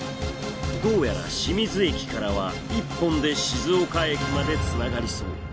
どうやら清水駅からは１本で静岡駅までつながりそう。